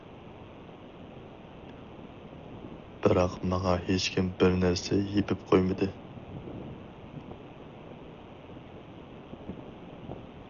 بىراق ماڭا ھېچكىم بىر نەرسە يېپىپ قويمىدى.